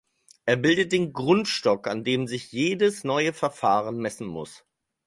Er bildet den Grundstock, an dem sich jedes neue Verfahren messen muss.